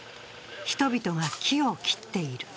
人々が木を切っている。